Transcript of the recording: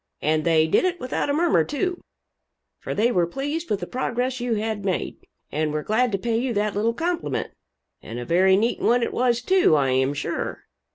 And they did it without a murmur, too, for they were pleased with the progress you had made, and were glad to pay you that little compliment and a very neat one it was, too, I am sure.